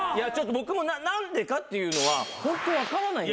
僕も何でかっていうのはホント分からないんですよ。